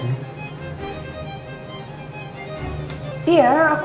kita kasih pihak satu